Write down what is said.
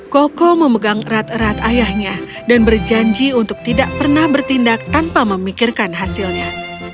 koko memegang erat erat ayahnya dan berjanji untuk tidak pernah bertindak tanpa memikirkan hasilnya